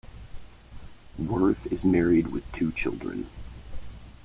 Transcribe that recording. Werth is married with two children.